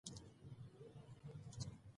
سانتیاګو د خوب تعبیر پسې ځي.